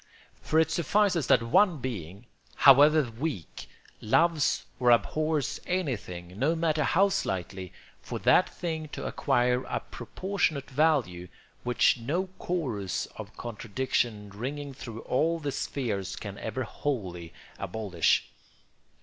For it suffices that one being, however weak, loves or abhors anything, no matter how slightly, for that thing to acquire a proportionate value which no chorus of contradiction ringing through all the spheres can ever wholly abolish.